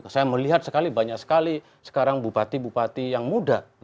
saya melihat sekali banyak sekali sekarang bupati bupati yang muda